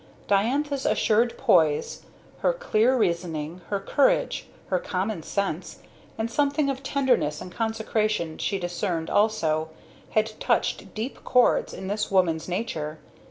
Diantha's assured poise, her clear reasoning, her courage, her common sense; and something of tenderness and consecration she discerned also, had touched deep chords in this woman's nature.